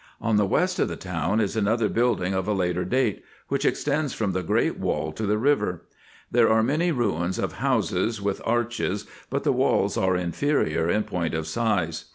On the west of the town is another building, of a later date, which extends from the great wall to the river. There are many ruins of houses with arches, but the walls are inferior in point of size.